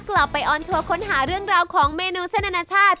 ออนทัวร์ค้นหาเรื่องราวของเมนูเส้นอนาชาติ